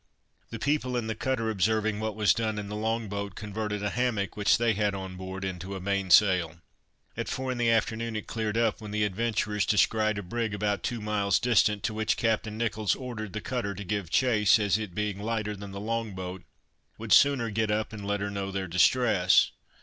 The people in the cutter observing what was done in the long boat, converted a hammock which they had on board into a main sail. At four in the afternoon it cleared up, when the adventurers descried a brig about two miles distant, to which Captain Nicholls ordered the cutter to give chase, as it being lighter than the long boat, would sooner get up, and let her know their distress.